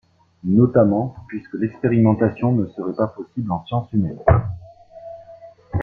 Notamment, puisque l'expérimentation ne serait pas possible en sciences humaines.